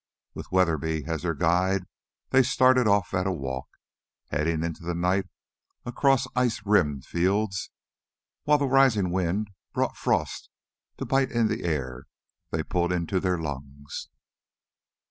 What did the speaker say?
With Weatherby as their guide, they started off at a walk, heading into the night across ice rimmed fields while the rising wind brought frost to bite in the air they pulled into their lungs.